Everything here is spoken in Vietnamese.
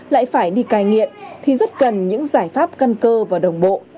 lại phải đi cai nghiện thì rất cần những giải pháp căn cơ và đồng bộ